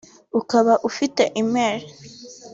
ukaba ufite email